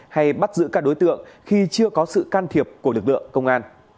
hay bắt giữ các đối tượng khi chưa có sự can thiệp của lực lượng công an